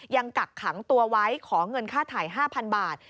กักขังตัวไว้ขอเงินค่าถ่าย๕๐๐บาท